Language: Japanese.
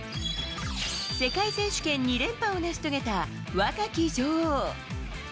世界選手権２連覇を成し遂げた若き女王。